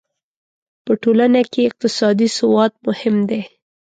په ټولنه کې اقتصادي سواد مهم دی.